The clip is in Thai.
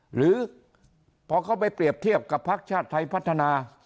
หรือพอเขาไปเปรียบเทียบกับพักชาติไทยพัฒนา